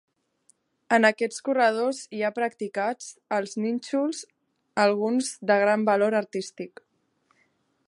En aquests corredors hi ha practicats els nínxols, alguns de gran valor artístic.